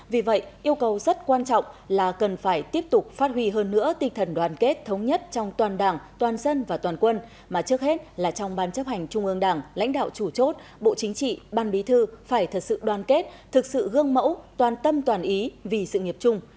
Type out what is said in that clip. vì vậy yêu cầu rất quan trọng là cần phải tiếp tục phát huy hơn nữa tinh thần đoàn kết thống nhất trong toàn đảng toàn dân và toàn quân mà trước hết là trong ban chấp hành trung ương đảng lãnh đạo chủ chốt bộ chính trị ban bí thư phải thật sự đoàn kết thực sự gương mẫu toàn tâm toàn ý vì sự nghiệp chung